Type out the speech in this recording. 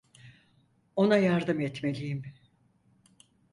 Ona yardım etmeliyim.